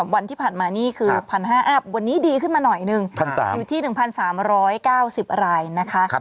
วันที่ผ่านมานี่คือ๑๕๐๐อัพวันนี้ดีขึ้นมาหน่อยหนึ่งอยู่ที่๑๓๙๐รายนะคะ